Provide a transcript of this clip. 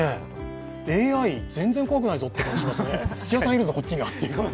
ＡＩ、全然怖くないぞって感じですよね、土屋さんいるぞ、こっちには。